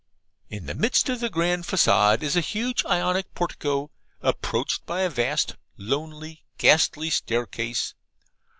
In the midst of the grand facade is a huge Ionic portico, approached by a vast, lonely, ghastly staircase.